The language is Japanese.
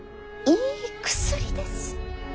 いい薬です。